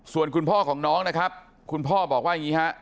ส่วนคุณพ่อของน้องนะครับคุณพ่อบอกว่าอย่างนี้ฮะ